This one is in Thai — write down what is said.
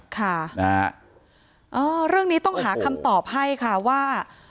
ค่ะนะฮะเรื่องนี้ต้องหาคำตอบให้ค่ะว่า